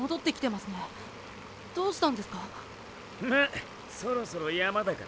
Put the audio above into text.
まぁそろそろ山だからな。